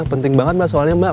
penting banget mbak soalnya mbak